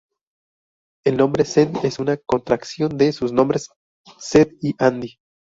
El nombre "Zend" es una contracción de sus nombres, Zeev y Andi.